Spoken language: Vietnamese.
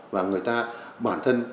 và người ta bản thân